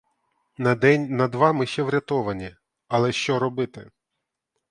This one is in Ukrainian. На день, на два ми ще врятовані, але що робити?